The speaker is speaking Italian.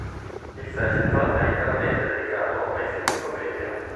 Il festival è interamente dedicato ai film commedia.